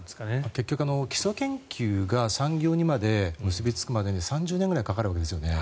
結局、基礎研究が産業にまで結びつくまでに３０年ぐらいかかるわけですよね。